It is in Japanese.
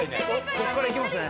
こっから行きますね。